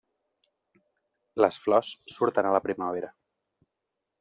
Les flors surten a la primavera.